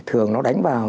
thường nó đánh vào